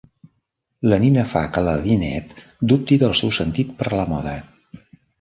La Nina fa que la Lynette dubti del seu sentit per la moda.